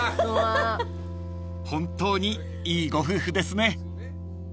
［本当にいいご夫婦ですね］